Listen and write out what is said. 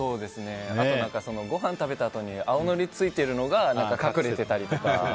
あと、ごはん食べたあとに青のりついてるのが隠れてたりとか。